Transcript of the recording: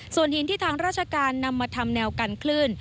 ส่วนหินที่ทางราชการนำมาทำแนวกันคลื่น